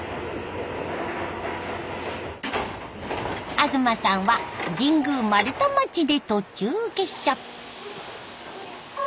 東さんは神宮丸太町で途中下車。